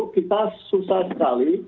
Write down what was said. kita susah sekali